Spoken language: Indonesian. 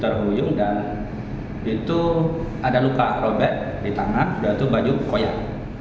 terhuyung dan itu ada luka robek di tangan yaitu baju koyak